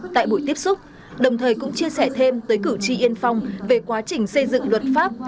tại buổi tiếp xúc đồng thời cũng chia sẻ thêm tới cử tri yên phong về quá trình xây dựng luật pháp